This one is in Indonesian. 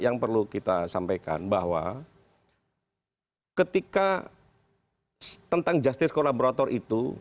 yang perlu kita sampaikan bahwa ketika tentang justice collaborator itu